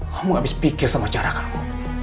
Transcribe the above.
kamu gak bisa pikir sama cara kamu